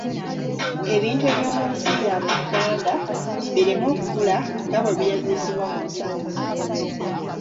Ebintu eby'omu nsi yaabwe Buganda bireme okubula nga bwe byebuuzibwa mu nsangi zino.